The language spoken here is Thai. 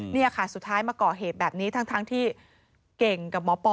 นี่ค่ะสุดท้ายมาก่อเหตุแบบนี้ทั้งที่เก่งกับหมอปอ